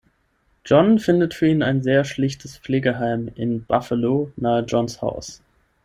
Jon findet für ihn ein sehr schlichtes Pflegeheim in Buffalo nahe Jons Haus.